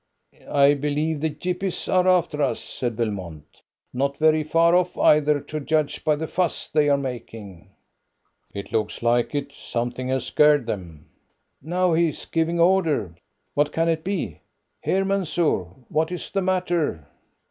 "I believe the Gippies are after us," said Belmont. "Not very far off either, to judge by the fuss they are making." "It looks like it. Something has scared them." "Now he's giving orders. What can it be? Here, Mansoor, what is the matter?"